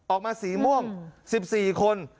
ออกมาสีม่วง๑๔คน